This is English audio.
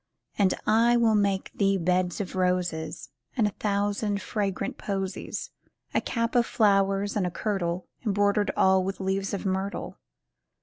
And I will make thee beds of roses And a thousand fragrant posies, A cap of flowers, and a kirtle Embroidered all with leaves of myrtle.